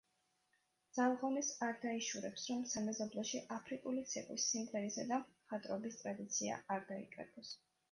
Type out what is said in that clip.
ძალ-ღონეს არ დაიშურებს, რომ სამეზობლოში აფრიკული ცეკვის, სიმღერისა და მხატვრობის ტრადიცია არ დაიკარგოს.